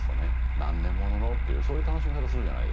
「何年物の」っていうそういう楽しみ方するじゃないですか。